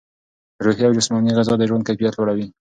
روحي او جسماني غذا د ژوند کیفیت لوړوي.